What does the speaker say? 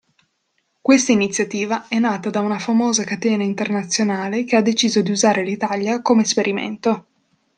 Questa iniziativa è nata da una famosa catena internazionale che ha deciso di usare l'Italia come esperimento.